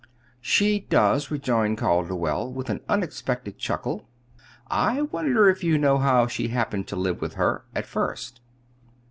"She does," rejoined Calderwell, with an unexpected chuckle. "I wonder if you know how she happened to live with her, at first."